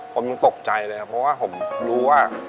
ผมยังตกใจเลยครับเพราะว่าผมรู้ว่า